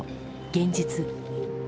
現実。